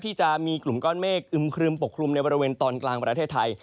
ที่มีกลุ่มก้อนเมฆอึมครึมปกคลุมในบริเวณตอนกลางประเทศไทย